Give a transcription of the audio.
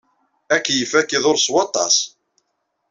Akeyyef ad k-iḍurr s waṭas.